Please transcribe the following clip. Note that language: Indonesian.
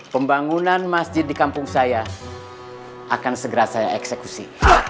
pembangunan masjid di kampung saya akan segera saya eksekusi